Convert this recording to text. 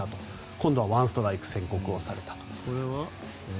今度は１ストライク宣告されたと。